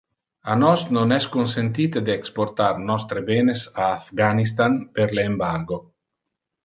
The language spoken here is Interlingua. A nos non es consentite de exportar nostre benes a Afghanistan, per le embargo.